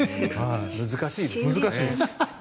難しいですね。